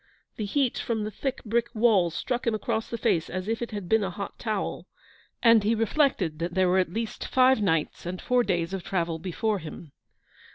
The heat from the thick brick walls struck him across the face as if it had been a hot towel, and he reflected that there were at least five nights and four days of travel before him.